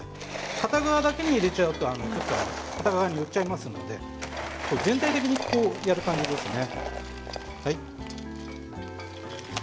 片側だけに入れてしまうと片側に寄ってしまいますので全体的にやる感じですね。